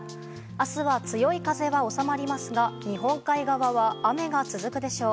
明日は強い風は収まりますが日本海側は雨が続くでしょう。